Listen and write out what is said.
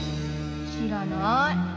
知らなぁい。